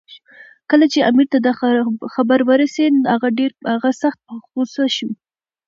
کله چې امیر ته دا خبر ورسېد، هغه سخت په غوسه شو.